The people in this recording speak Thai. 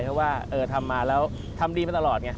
เพราะว่าทำมาแล้วทำดีมาตลอดไง